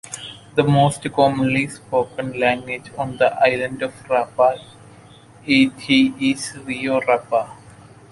The most commonly spoken language on the island of Rapa Iti is Reo Rapa.